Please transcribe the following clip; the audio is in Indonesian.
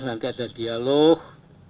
nanti ada dialog